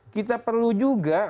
kita perlu juga